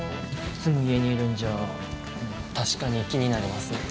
いっつも家にいるんじゃ確かに気になりますね。